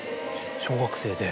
小学生で。